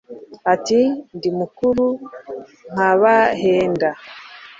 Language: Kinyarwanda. ati ndi mukuru nkabahenda